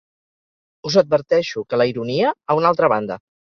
Us adverteixo que la ironia, a una altra banda.